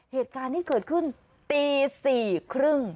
เหตุการณ์ที่เกิดขึ้นตี๔๓๐